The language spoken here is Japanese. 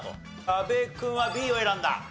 阿部君はＢを選んだ。